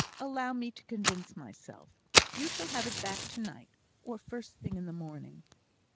Allow me to convince myself. You shall have it back to night, or the first thing in the morning."